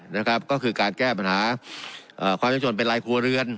นะครับก็คือการแก้ปัญหาความจำชนเป็นลายครัวเรือน